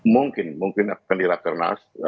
mungkin mungkin akan di rakernas